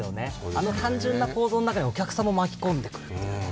あの単純な構造の中にお客さんも巻き込んでくるという。